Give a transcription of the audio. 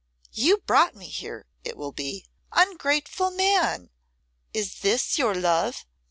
"You brought me here," it will be: "Ungrateful man, is this your love?